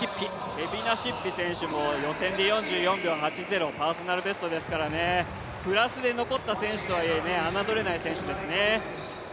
ケビナシッピ選手も予選で４４秒８０、パーソナルベストですからプラスで残った選手とはいえ、あなどれない選手ですね。